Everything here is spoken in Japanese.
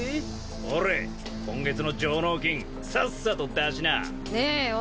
ほれ今月の上納金さっさと出しな。ねえよ。